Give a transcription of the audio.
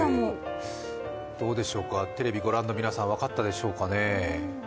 どうでしょうか、テレビご覧の皆さん分かったでしょうかね？